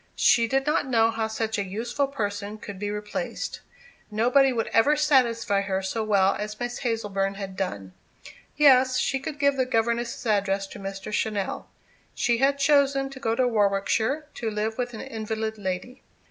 She did not know how such a useful person could be replaced. Nobody would ever satisfy her so well as Miss Hazleburn had done. Yes, she could give the governess's address to Mr. Channell. She had chosen to go to Warwickshire, to live with an invalid lady.